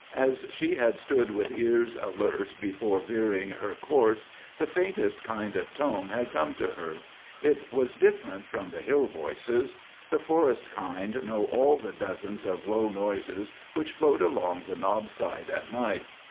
As she had stood with ears alert before veering her course, the faintest kind of tone had come to her. It was different from the hill voices. The forest kind know all the dozens of low noises which float along the knob side at night.